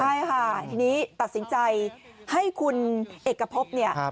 ใช่ที่นี้ตัดสินใจให้คุณเอกปราพพันธุ์